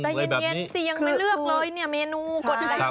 ใจเย็นซียังไม่เลือกเลยเนี่ยเมนูกดเล่น